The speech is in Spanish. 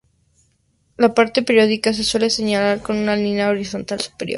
La parte periódica se suele señalar con una línea horizontal superior.